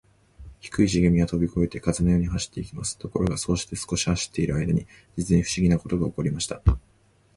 低いしげみはとびこえて、風のように走っていきます。ところが、そうして少し走っているあいだに、じつにふしぎなことがおこりました。